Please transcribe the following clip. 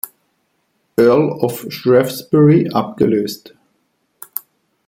Earl of Shrewsbury abgelöst.